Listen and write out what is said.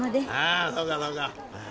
あそうかそうか。